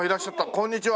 こんにちは。